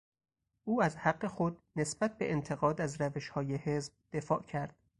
او از حق خود نسبت به انتقاد از روشهای حزب دفاع کرد.